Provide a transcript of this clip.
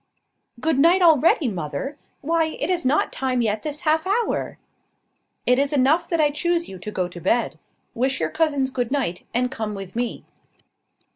"Good night already, mother! Why, it is not time yet this half hour." "It is enough that I choose you to go to bed. Wish your cousins good night, and come with me."